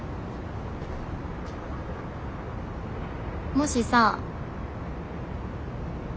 もしさ。